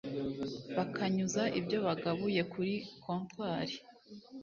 bakanyuza ibyo bagabuye kuri kontwari